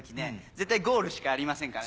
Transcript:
絶対ゴールしかやりませんから。